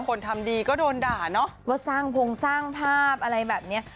คนทำดีก็โดนด่าเนอะว่าสร้างพงสร้างภาพอะไรแบบนี้